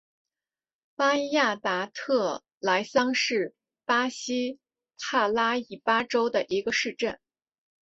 巴伊亚达特莱桑是巴西帕拉伊巴州的一个市镇。